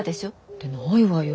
てないわよ